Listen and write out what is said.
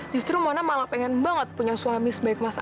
justru mona malah pengen banget punya suami sebaik masa